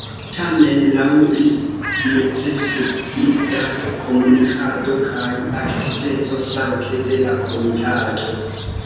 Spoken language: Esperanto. Tamen laŭ li necesus pli da komunikado kaj aktiveco flanke de la komitato.